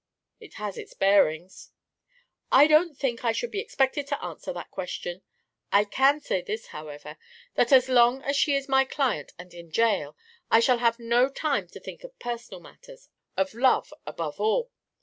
"It has its bearings." "I don't think I should be expected to answer that question. I can say this, however: that as long as she is my client and in jail, I shall have no time to think of personal matters of love, above all.